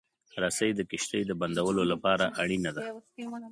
رسۍ د کښتۍ د بندولو لپاره اړینه ده.